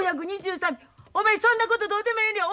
お前そんなことどうでもええねん。